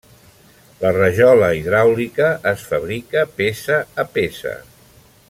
La rajola hidràulica es fabrica peça a peça.